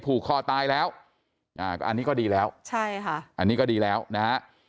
ผูกคอตายแล้วอ่าอันนี้ก็ดีแล้วใช่ค่ะอันนี้ก็ดีแล้วนะฮะ